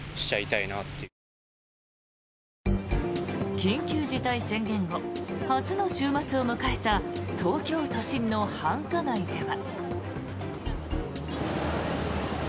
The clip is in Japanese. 緊急事態宣言後初の週末を迎えた東京都心の繁華街では。